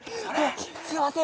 「すいません